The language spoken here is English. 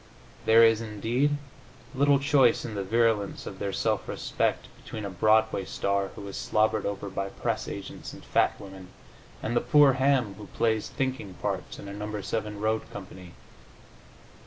There is, indeed, little choice in the virulence of their self respect between a Broadway star who is slobbered over by press agents and fat women, and the poor ham who plays thinking parts in a No. 7 road company.